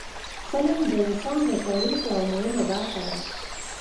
فلم د انسان د تاریخ یوه مهمه برخه ده